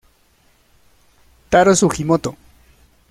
Tarō Sugimoto